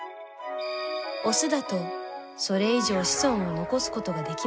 オスだとそれ以上子孫を残すことができません。